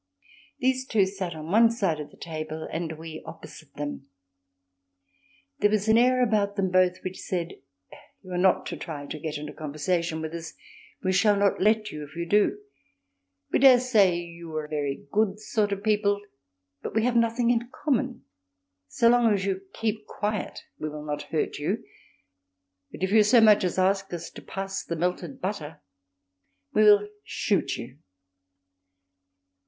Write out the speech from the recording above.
These two sat on one side of the table and we opposite them. There was an air about them both which said: "You are not to try to get into conversation with us; we shall not let you if you do; we dare say you are very good sort of people, but we have nothing in common; so long as you keep quiet we will not hurt you; but if you so much as ask us to pass the melted butter we will shoot you."